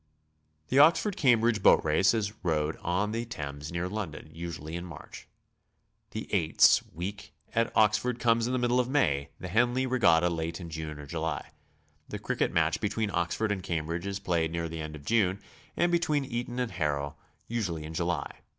• The Oxford Cambridge boat race is rowel on the Thames near London, usually in March. The ^'eights'' week at Oxford comes in the middle of May; the Henley regatta late in June or July. The cricket match between Ox ford and Cambridge is played near the end of June, and be tween Eton and Harrow usually in July.